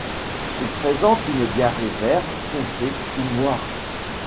Il présente une diarrhée vert foncé ou noire.